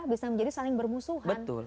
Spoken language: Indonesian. bisa menjadi saling bermusuhan